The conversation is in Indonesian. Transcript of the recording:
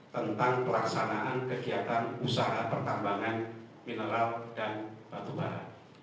tentang pelaksanaan kegiatan usaha pertambangan mineral dan batu bara